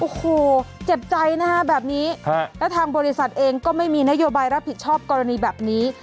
โอ้โหเจ็บใจนะฮะแบบนี้แล้วทางบริษัทเองก็ไม่มีนโยบายรับผิดชอบกรณีแบบนี้